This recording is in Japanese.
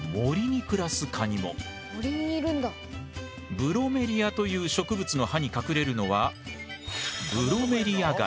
ブロメリアという植物の葉に隠れるのはすげえ